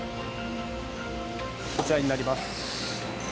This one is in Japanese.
こちらになります。